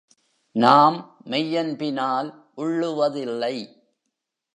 நாம் மெய்யன்பினால் உள்ளுவதில்லை.